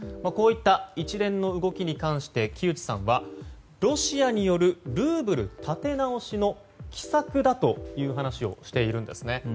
こういった一連の動きに関して木内さんは、ロシアによるルーブル立て直しの奇策だという話をしているんですね。